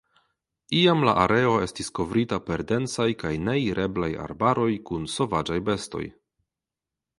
Iam la areo estis kovrita per densaj kaj neireblaj arbaroj kun sovaĝaj bestoj.